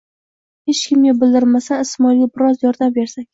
«Hech kimga bildirmasdan Ismoilga biroz yordam bersak».